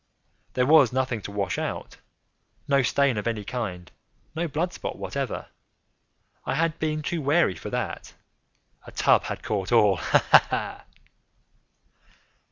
There was nothing to wash out—no stain of any kind—no blood spot whatever. I had been too wary for that. A tub had caught all—ha! ha!